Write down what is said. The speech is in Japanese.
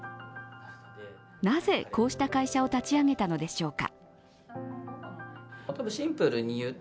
なぜこうした会社を立ち上げたのでしょうか。